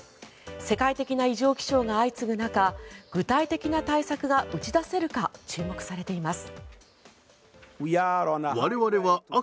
世界的な異常気象が相次ぐ中具体的な対策が打ち出せるか注目されています。